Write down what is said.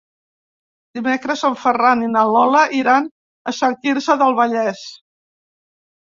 Dimecres en Ferran i na Lola iran a Sant Quirze del Vallès.